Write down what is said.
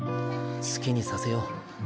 好きにさせよう。